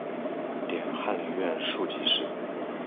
点翰林院庶吉士。